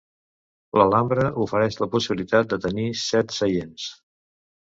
L'Alhambra ofereix la possibilitat de tenir set seients.